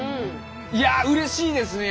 いやあうれしいですね！